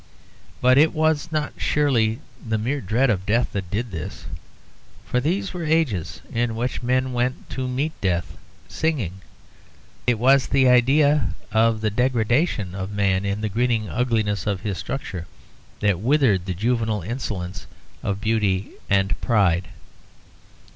But it was not, surely, the mere dread of death that did this, for these were ages in which men went to meet death singing; it was the idea of the degradation of man in the grinning ugliness of his structure that withered the juvenile insolence of beauty and pride.